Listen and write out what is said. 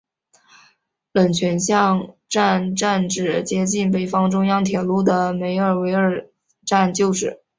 冷泉巷站站址接近北方中央铁路的梅尔维尔站旧址。